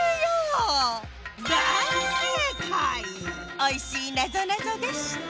おいしいなぞなぞでした。